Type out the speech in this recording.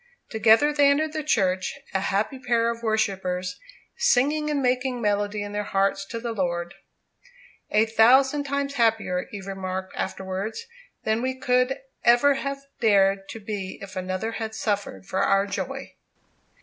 Together they entered the church, a happy pair of worshippers, "singing and making melody in their hearts to the Lord." "A thousand times happier," Eve remarked afterwards, "than we could ever have dared to be if another had suffered for our joy."